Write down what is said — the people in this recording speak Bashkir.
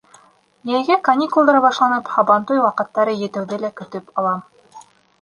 Йәйге каникулдар башланып, һабантуй ваҡыттары етеүҙе лә көтөп алам.